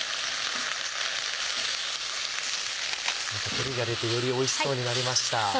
照りが出てよりおいしそうになりました。